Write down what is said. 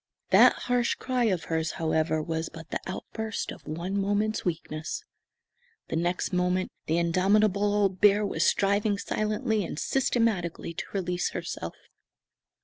That harsh cry of hers, however, was but the outburst of one moment's weakness. The next moment the indomitable old bear was striving silently and systematically to release herself.